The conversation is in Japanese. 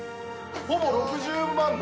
ほぼ６０万だ。